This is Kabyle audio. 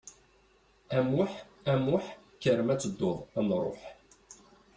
A Muḥ, a Muḥ, kker ma ad tedduḍ ad nruḥ.